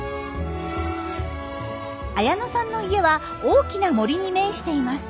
綾乃さんの家は大きな森に面しています。